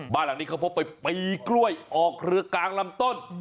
บ้านหลังนี้เขาพบไปปีกล้วยออกเครือกลางลำต้น